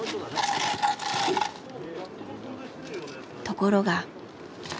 ところが。